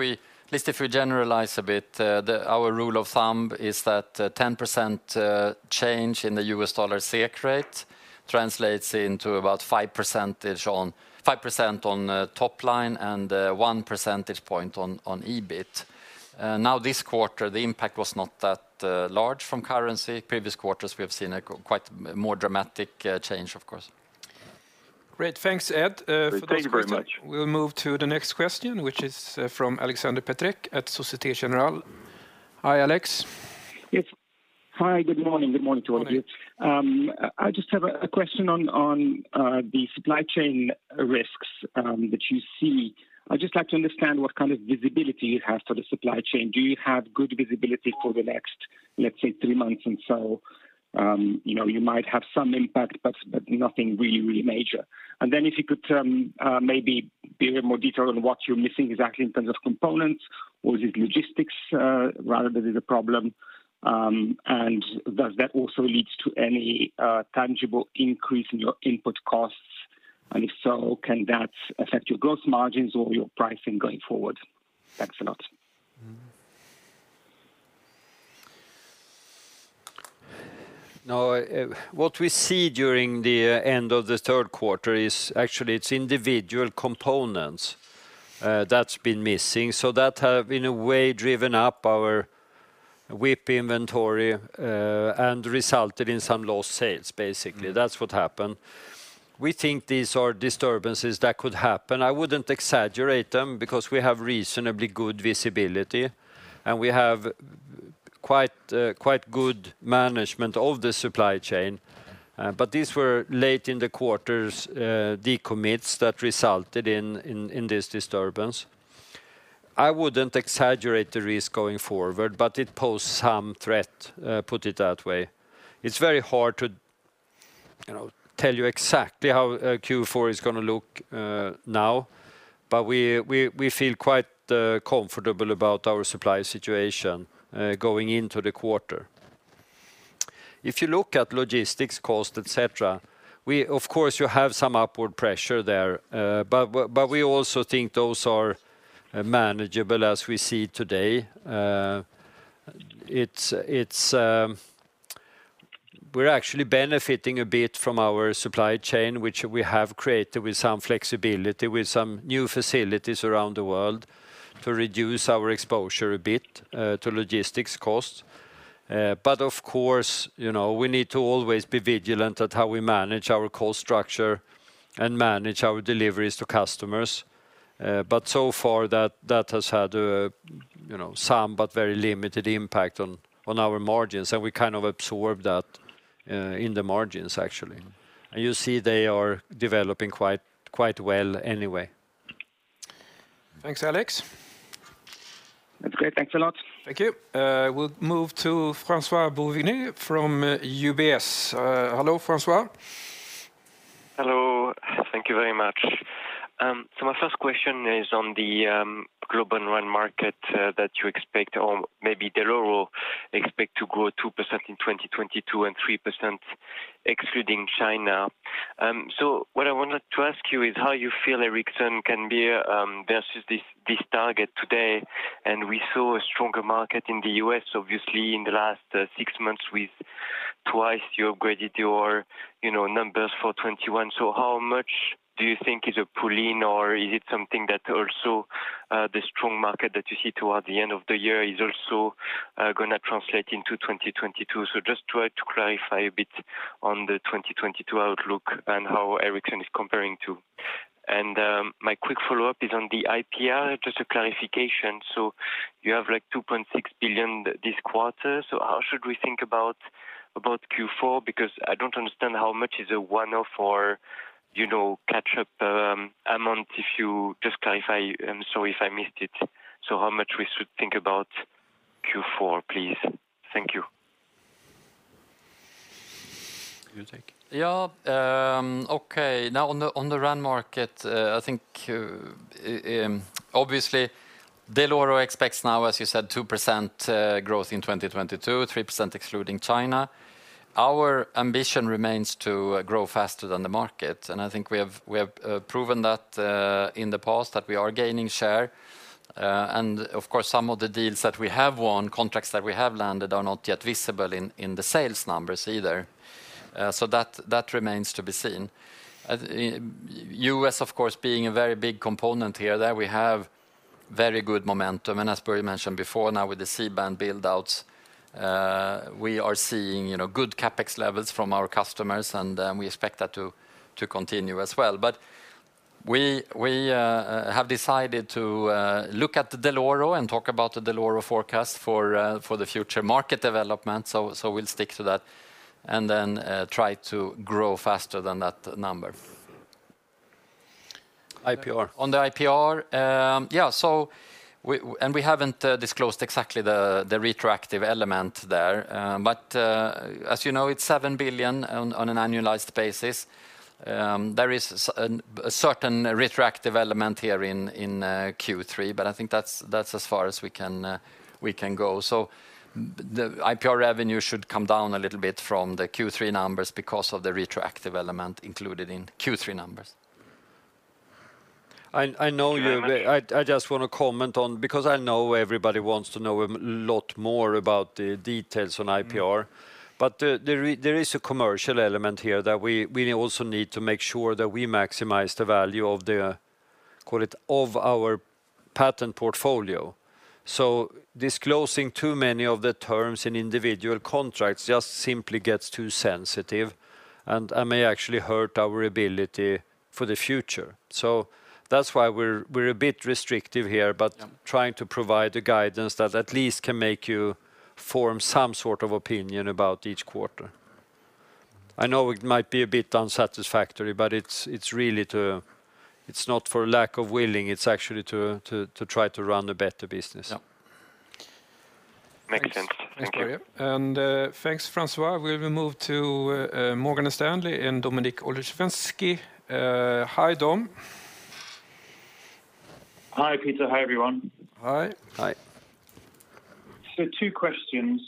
least if we generalize a bit, our rule of thumb is that 10% change in the US dollar SEK rate translates into about 5% on top line and 1 percentage point on EBIT. This quarter, the impact was not that large from currency. Previous quarters, we have seen a quite more dramatic change, of course. Great. Thanks, Ed, for those questions. Thank you very much. We'll move to the next question, which is from Alexander Peterc at Societe Generale. Hi, Alex. Yes. Hi, good morning to all of you. Morning. I just have a question on the supply chain risks that you see. I'd just like to understand what kind of visibility you have for the supply chain. Do you have good visibility for the next, let's say, three months and so, you might have some impact, but nothing really major. Then if you could maybe be a bit more detailed on what you're missing exactly in terms of components, or is it logistics rather that is a problem? Does that also lead to any tangible increase in your input costs? If so, can that affect your gross margins or your pricing going forward? Thanks a lot. What we see during the end of the third quarter is actually it's individual components that's been missing. That has, in a way, driven up our WIP inventory, and resulted in some lost sales, basically. That's what happened. We think these are disturbances that could happen. I wouldn't exaggerate them because we have reasonably good visibility, and we have quite good management of the supply chain. These were late in the quarters decommits that resulted in this disturbance. I wouldn't exaggerate the risk going forward, but it poses some threat, put it that way. It's very hard to tell you exactly how Q4 is going to look now, but we feel quite comfortable about our supply situation going into the quarter. If you look at logistics cost, et cetera, of course, you have some upward pressure there. We also think those are manageable as we see today. We're actually benefiting a bit from our supply chain, which we have created with some flexibility, with some new facilities around the world to reduce our exposure a bit to logistics costs. Of course, we need to always be vigilant at how we manage our cost structure and manage our deliveries to customers. So far that has had some, but very limited impact on our margins, and we kind of absorbed that in the margins, actually. You see they are developing quite well anyway. Thanks, Alex. That's great. Thanks a lot. Thank you. We'll move to François Bouvignies from UBS. Hello, Francois. Hello. Thank you very much. My first question is on the global RAN market that you expect, or maybe Dell'Oro expect to grow 2% in 2022 and 3% excluding China. What I wanted to ask you is how you feel Ericsson can be versus this target today, and we saw a stronger market in the U.S., obviously, in the last six months, with twice you upgraded your numbers for 2021. How much do you think is a pull-in, or is it something that also the strong market that you see toward the end of the year is also going to translate into 2022? Just try to clarify a bit on the 2022 outlook and how Ericsson is comparing to. My quick follow-up is on the IPR, just a clarification. You have 2.6 billion this quarter, how should we think about Q4? Because I don't understand how much is a one-off or catch-up amount, if you just clarify. I'm sorry if I missed it. How much we should think about Q4, please? Thank you. You take? Yeah. Okay. On the RAN market, I think, obviously Dell'Oro expects now, as you said, 2% growth in 2022, 3% excluding China. Our ambition remains to grow faster than the market, and I think we have proven that in the past that we are gaining share. Of course, some of the deals that we have won, contracts that we have landed, are not yet visible in the sales numbers either. That remains to be seen. U.S., of course, being a very big component here, there we have very good momentum. As Börje mentioned before, now with the C-band build-outs, we are seeing good CapEx levels from our customers, and we expect that to continue as well. We have decided to look at the Dell'Oro and talk about the Dell'Oro forecast for the future market development. We'll stick to that and then try to grow faster than that number. IPR. On the IPR. Yeah. We haven't disclosed exactly the retroactive element there. As you know, it's 7 billion on an annualized basis. There is a certain retroactive element here in Q3, but I think that's as far as we can go. The IPR revenue should come down a little bit from the Q3 numbers because of the retroactive element included in Q3 numbers. I know you- Do you want me? I just want to comment on, because I know everybody wants to know a lot more about the details on IPR. There is a commercial element here that we also need to make sure that we maximize the value of the, call it, of our patent portfolio. Disclosing too many of the terms in individual contracts just simply gets too sensitive, and may actually hurt our ability for the future. That's why we're a bit restrictive here, but trying to provide the guidance that at least can make you form some sort of opinion about each quarter. I know it might be a bit unsatisfactory, but it's not for lack of willing, it's actually to try to run a better business. Yeah. Makes sense. Thank you. Thanks, François. We'll move to Morgan Stanley and Dominik Olszewski. Hi, Dom. Hi, Peter. Hi, everyone. Hi. Hi. Two questions.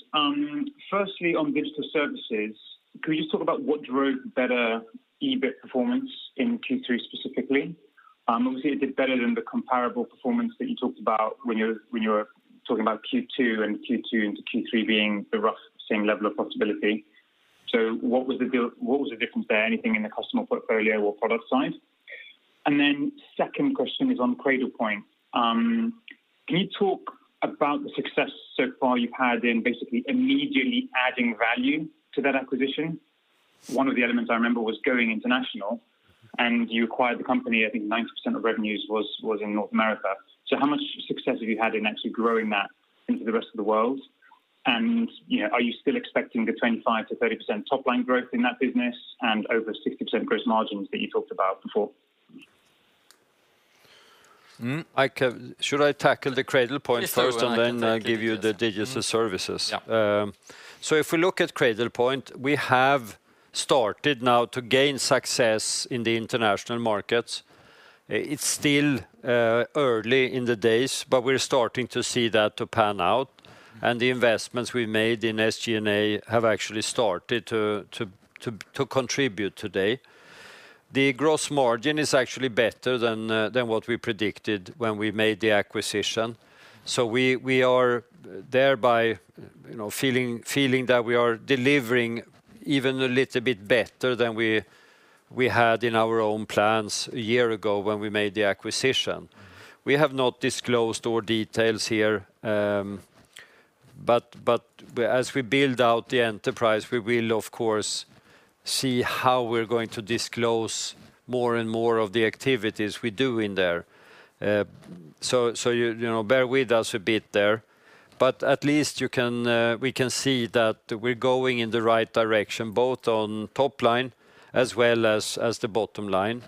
Firstly, on digital services, could you just talk about what drove better EBIT performance in Q3 specifically? Obviously, it did better than the comparable performance that you talked about when you were talking about Q2 and Q2 into Q3 being the rough same level of profitability. What was the difference there? Anything in the customer portfolio or product side? Second question is on Cradlepoint. Can you talk about the success so far you've had in basically immediately adding value to that acquisition? One of the elements I remember was going international, you acquired the company, I think 90% of revenues was in North America. How much success have you had in actually growing that into the rest of the world? Are you still expecting the 25%-30% top-line growth in that business and over 60% gross margins that you talked about before? Should I tackle the Cradlepoint first? Yes. Give you the digital services? Yeah. If we look at Cradlepoint, we have started now to gain success in the international markets. It's still early in the days, but we're starting to see that to pan out, and the investments we've made in SG&A have actually started to contribute today. The gross margin is actually better than what we predicted when we made the acquisition. We are thereby feeling that we are delivering even a little bit better than we had in our own plans a year ago when we made the acquisition. We have not disclosed all details here. As we build out the enterprise, we will of course see how we're going to disclose more and more of the activities we do in there. Bear with us a bit there. At least we can see that we're going in the right direction, both on top line as well as the bottom line.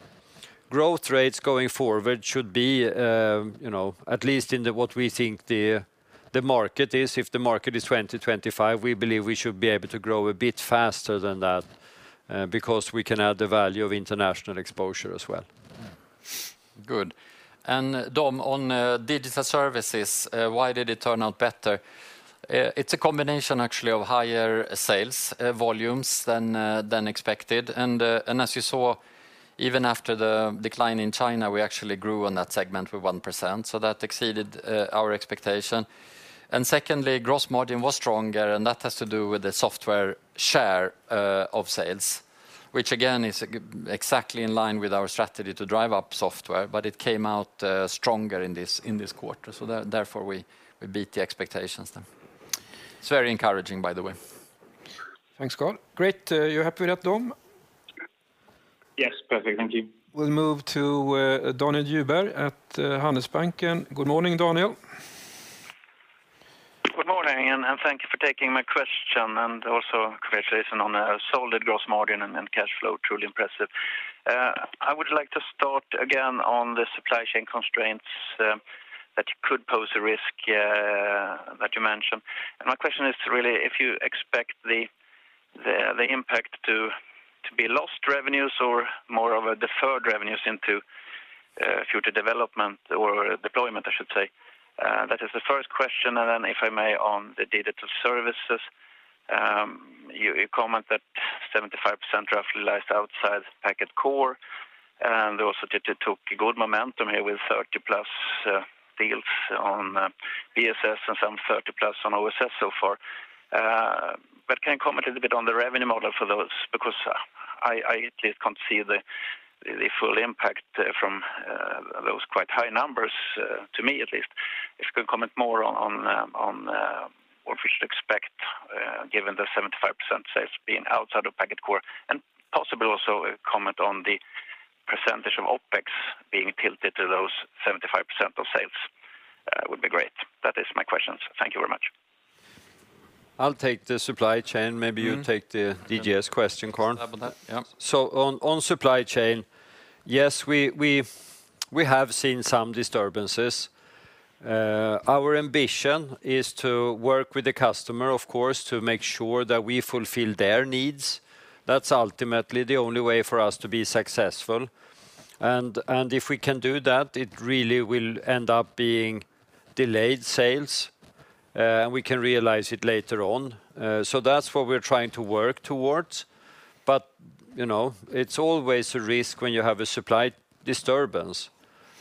Growth rates going forward should be, at least in what we think the market is. If the market is 2025, we believe we should be able to grow a bit faster than that, because we can add the value of international exposure as well. Good. Dom, on digital services, why did it turn out better? It's a combination, actually, of higher sales volumes than expected. As you saw, even after the decline in China, we actually grew in that segment with 1%, so that exceeded our expectation. Secondly, gross margin was stronger, and that has to do with the software share of sales, which again is exactly in line with our strategy to drive up software. It came out stronger in this quarter, so therefore, we beat the expectations then. It's very encouraging, by the way. Thanks, Carl. Great. You're happy with that, Dom? Yes. Perfect. Thank you. We'll move to Daniel Djurberg at Handelsbanken. Good morning, Daniel. Good morning. Thank you for taking my question. Also congratulations on a solid gross margin and cash flow. Truly impressive. I would like to start again on the supply chain constraints that could pose a risk that you mentioned. My question is really if you expect the impact to be lost revenues or more of deferred revenues into future development or deployment, I should say. That is the first question. Then if I may, on the digital services, you comment that 75% roughly lies outside Packet Core, and also that it took a good momentum here with 30+ deals on BSS and some 30+ on OSS so far. Can you comment a little bit on the revenue model for those? Because I at least can't see the full impact from those quite high numbers, to me at least. If you could comment more on what we should expect, given the 75% sales being outside of Packet Core, and possibly also a comment on the percentage of OPEX being tilted to those 75% of sales would be great. That is my questions. Thank you very much. I'll take the supply chain. Maybe you take the DGS question, Carl. I'll have that. Yep. On supply chain, yes, we have seen some disturbances. Our ambition is to work with the customer, of course, to make sure that we fulfill their needs. That's ultimately the only way for us to be successful. If we can do that, it really will end up being delayed sales, and we can realize it later on. That's what we're trying to work towards. It's always a risk when you have a supply disturbance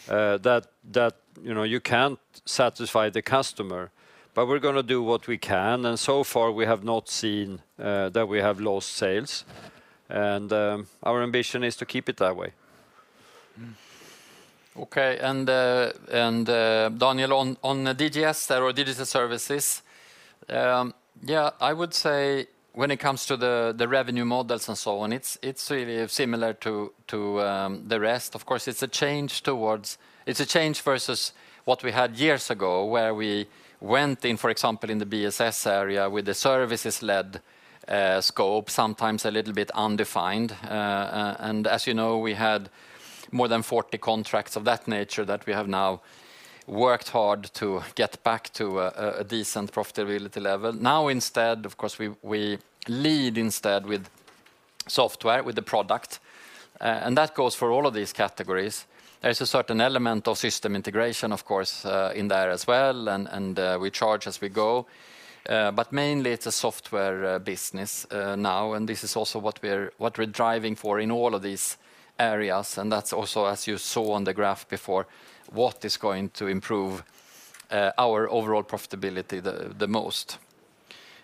that you can't satisfy the customer. We're going to do what we can, and so far we have not seen that we have lost sales. Our ambition is to keep it that way. Okay. Daniel, on the DGS, Digital Services. I would say when it comes to the revenue models and so on, it's really similar to the rest. Of course, it's a change versus what we had years ago, where we went in, for example, in the BSS area with a services-led scope, sometimes a little bit undefined. As you know, we had more than 40 contracts of that nature that we have now worked hard to get back to a decent profitability level. Now instead, of course, we lead instead with software, with the product. That goes for all of these categories. There is a certain element of system integration, of course, in there as well, and we charge as we go. Mainly it's a software business now, and this is also what we're driving for in all of these areas, and that's also, as you saw on the graph before, what is going to improve our overall profitability the most.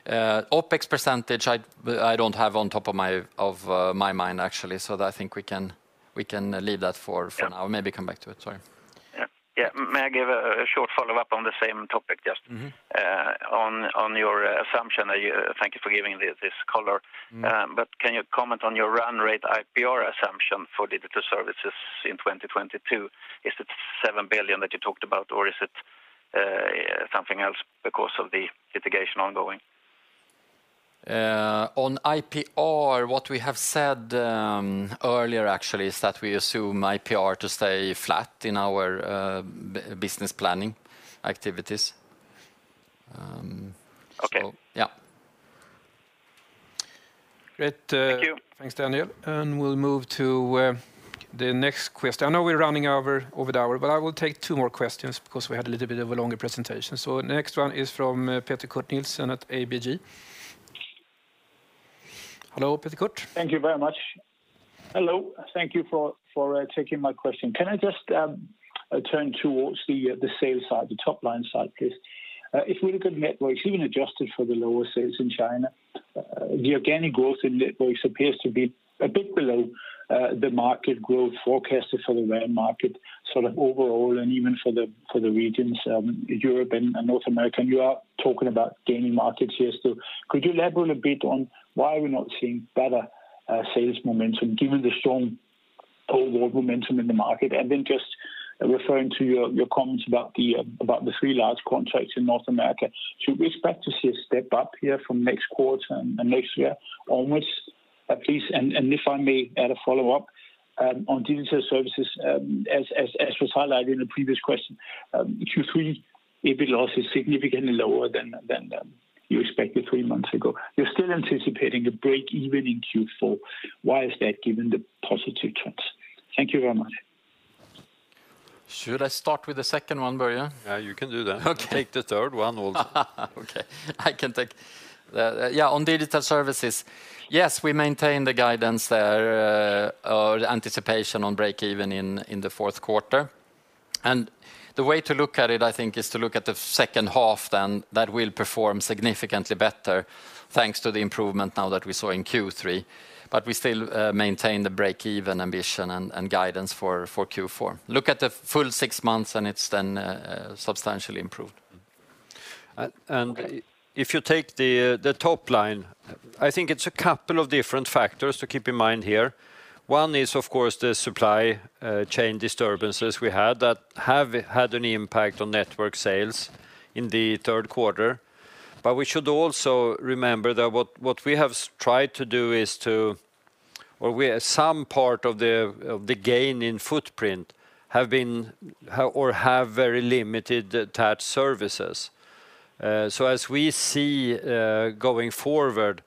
OpEx percentage, I don't have on top of my mind, actually. I think we can leave that for now and maybe come back to it. Sorry. Yeah. May I give a short follow-up on the same topic, just on your assumption? Thank you for giving this color. Can you comment on your run rate IPR assumption for Digital Services in 2022? Is it 7 billion that you talked about, or is it something else because of the litigation ongoing? On IPR, what we have said earlier actually is that we assume IPR to stay flat in our business planning activities. Okay. Yeah. Great. Thank you. Thanks, Daniel. We'll move to the next question. I know we're running over the hour, but I will take two more questions because we had a little bit of a longer presentation. Next one is from Peter Kurt Nielsen at ABG. Hello, Peter. Thank you very much. Hello, thank you for taking my question. Can I just turn towards the sales side, the top-line side, please? If we look at networks, even adjusted for the lower sales in China, the organic growth in networks appears to be a bit below the market growth forecasted for the RAN market, sort of overall and even for the regions Europe and North America. You are talking about gaining markets here. Could you elaborate a bit on why we're not seeing better sales momentum given the strong overall momentum in the market? Then just referring to your comments about the three large contracts in North America. Should we expect to see a step up here from next quarter and next year onwards, please? If I may add a follow-up on digital services, as was highlighted in the previous question. Q3 EBIT is significantly lower than you expected three months ago. You're still anticipating a break even in Q4. Why is that, given the positive trends? Thank you very much. Should I start with the second one, Börje? Yeah, you can do that. Okay. I'll take the third one also. Okay. I can take that. Yeah, on digital services. Yes, we maintain the guidance there, or the anticipation on break even in the fourth quarter. The way to look at it, I think, is to look at the second half then. That will perform significantly better, thanks to the improvement now that we saw in Q3. We still maintain the break even ambition and guidance for Q4. Look at the full six months, and it's then substantially improved. If you take the top line, I think it's a couple of different factors to keep in mind here. One is, of course, the supply chain disturbances we had that have had an impact on network sales in the third quarter. We should also remember that what we have tried to do is to well, some part of the gain in footprint have very limited attached services. As we see going forward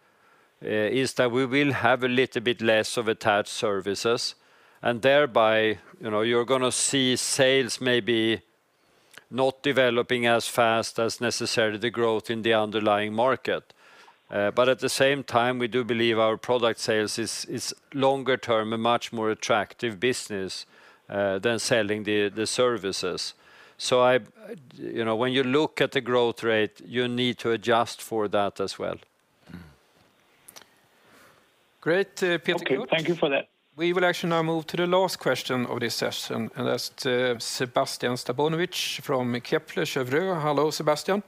is that we will have a little bit less of attached services, and thereby you're going to see sales maybe not developing as fast as necessary, the growth in the underlying market. At the same time, we do believe our product sales is longer term, a much more attractive business than selling the services. When you look at the growth rate, you need to adjust for that as well. Great, Peter. Good. Okay. Thank you for that. We will actually now move to the last question of this session, and that's Sébastien Sztabowicz from Kepler Cheuvreux. Hello, Sébastien.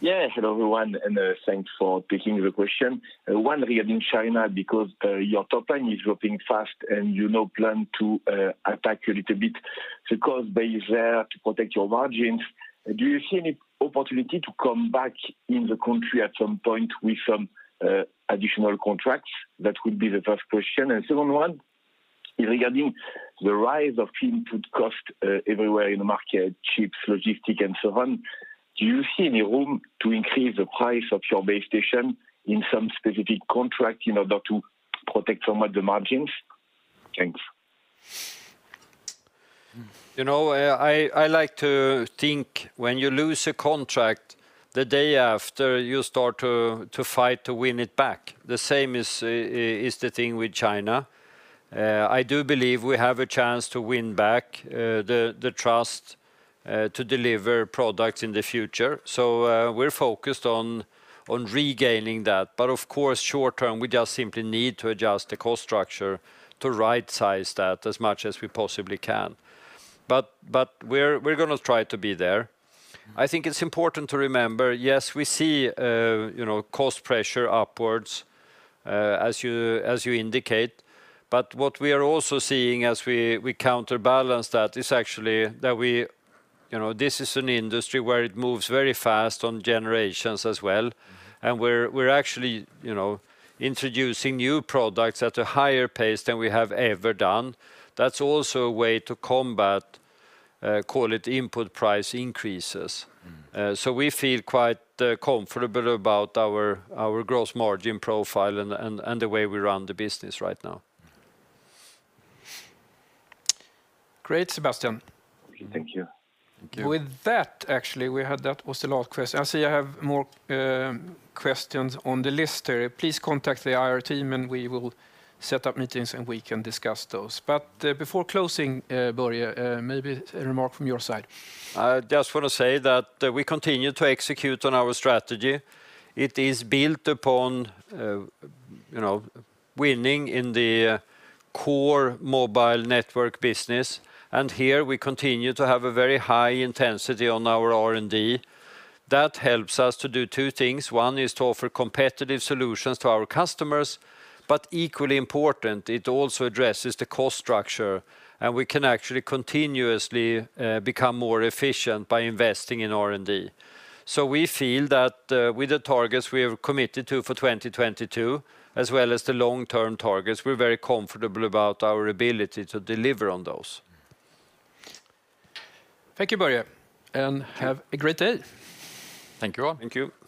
Yeah. Hello, everyone, and thanks for taking the question. One regarding China, because your top line is dropping fast and you now plan to attack a little bit the cost base there to protect your margins. Do you see any opportunity to come back in the country at some point with some additional contracts? That would be the first question. Second one, regarding the rise of input cost everywhere in the market, chips, logistics, and so on. Do you see any room to increase the price of your base station in some specific contract in order to protect somewhat the margins? Thanks. I like to think when you lose a contract, the day after, you start to fight to win it back. The same is the thing with China. I do believe we have a chance to win back the trust to deliver products in the future. We're focused on regaining that. Of course, short term, we just simply need to adjust the cost structure to right size that as much as we possibly can. We're going to try to be there. I think it's important to remember, yes, we see cost pressure upwards as you indicate. What we are also seeing as we counterbalance that is actually that this is an industry where it moves very fast on generations as well. We're actually introducing new products at a higher pace than we have ever done. That's also a way to combat, call it input price increases. We feel quite comfortable about our gross margin profile and the way we run the business right now. Great, Sébastien. Thank you. With that, actually, that was the last question. I see I have more questions on the list here. Please contact the IR team, and we will set up meetings, and we can discuss those. Before closing, Börje, maybe a remark from your side. I just want to say that we continue to execute on our strategy. It is built upon winning in the core mobile network business, and here we continue to have a very high intensity on our R&D. That helps us to do two things. One is to offer competitive solutions to our customers, but equally important, it also addresses the cost structure, and we can actually continuously become more efficient by investing in R&D. We feel that with the targets we have committed to for 2022, as well as the long-term targets, we're very comfortable about our ability to deliver on those. Thank you, Börje, and have a great day. Thank you all. Thank you.